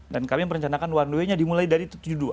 dan kami merencanakan one waynya dimulai dari tujuh puluh dua